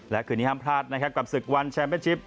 และคืนนี้ห้ามพลาดกับศึกวันแชมป์เป็นชิป